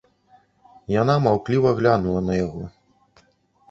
Яна маўкліва глянула на яго.